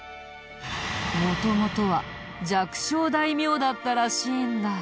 元々は弱小大名だったらしいんだ。